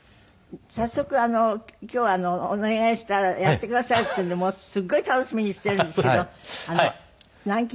早速今日はお願いしたらやってくださるっていうんでもうすごい楽しみにしてるんですけど南京玉すだれ。